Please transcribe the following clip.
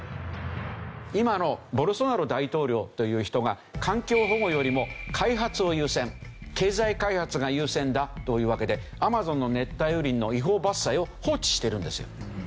今ボルソナロ大統領という人が環境保護よりも開発を優先経済開発が優先だというわけでアマゾンの熱帯雨林の違法伐採を放置しているんですよ。